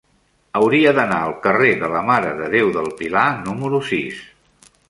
Hauria d'anar al carrer de la Mare de Déu del Pilar número sis.